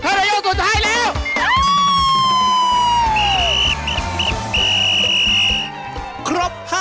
เอาละครับ